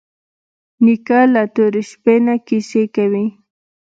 نیکه له تورې شپې نه کیسې کوي.